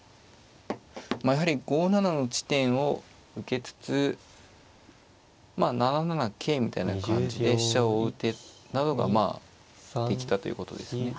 まあやはり５七の地点を受けつつまあ７七桂みたいな感じで飛車を追う手などがまあできたということですね。